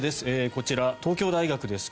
こちら東京大学です。